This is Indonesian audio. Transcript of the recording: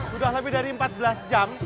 sudah lebih dari empat belas jam